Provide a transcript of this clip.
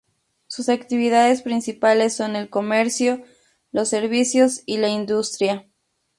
Sus actividades principales son el comercio, los servicios y la industria.